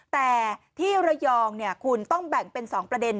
แต่ที่ระยองคุณต้องแบ่งเป็น๒ประเด็น